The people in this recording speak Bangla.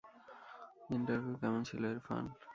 ইন্টারভিউ কেমন ছিল, ইরফান?